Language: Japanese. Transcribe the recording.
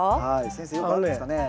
先生よくあるんですかね。